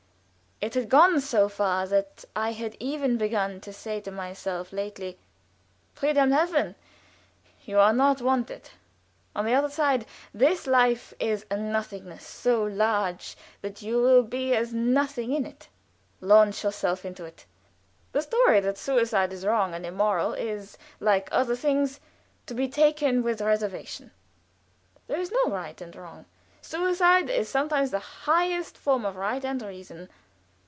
It had gone so far that I had even begun to say to myself lately: "Friedhelm Helfen, you are not wanted. On the other side this life is a nothingness so large that you will be as nothing in it. Launch yourself into it. The story that suicide is wrong and immoral is, like other things, to be taken with reservation. There is no absolute right and wrong. Suicide is sometimes the highest form of right and reason."